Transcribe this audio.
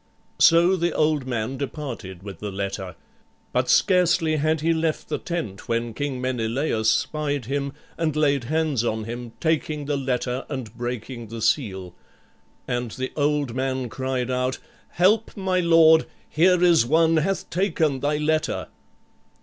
So the old man departed with the letter. But scarcely had he left the tent when King Menelaüs spied him and laid hands on him, taking the letter and breaking the seal. And the old man cried out: "Help, my lord; here is one hath taken thy letter!"